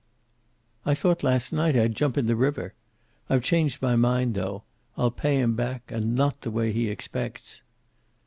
"I thought last night I'd jump in the river. I've changed my mind, though. I'll pay him back, and not the way he expects."